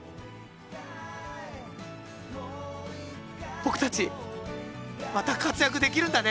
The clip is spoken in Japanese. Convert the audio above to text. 僕たちまた活躍できるんだね！